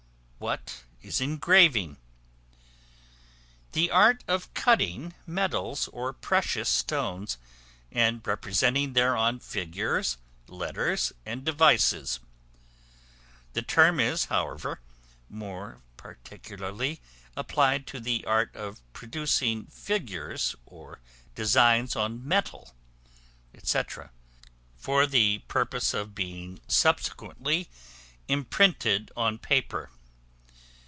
What is Engraving? The art of cutting metals or precious stones, and representing thereon figures, letters, and devices; the term is, however, more particularly applied to the art of producing figures or designs on metal, &c., for the purpose of being subsequently printed on paper.